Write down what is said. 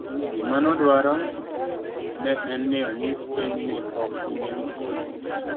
gimanoduaro ne en ni onyis piny ni pok chunye obotho